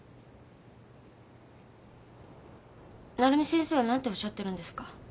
鳴海先生は何ておっしゃってるんですか？